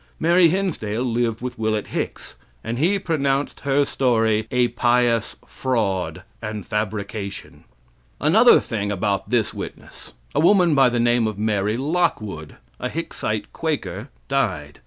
Mary Hinsdale lived with Willet Hicks, and he pronounced her story a pious fraud and fabrication. Another thing about this witness. A woman by the name of Mary Lockwood, a Hicksite Quaker, died.